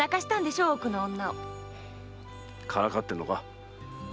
からかってるのか？